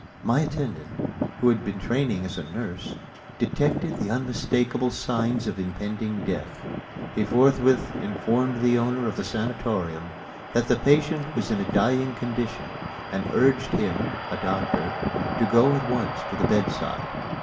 My attendant, who had had training as a nurse, detected the unmistakable signs of impending death. He forthwith informed the owner of the sanatorium that the patient was in a dying condition, and urged him (a doctor) to go at once to the bedside.